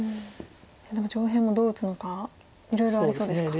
いやでも上辺もどう打つのかいろいろありそうですか。